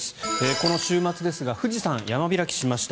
この週末ですが富士山、山開きしました。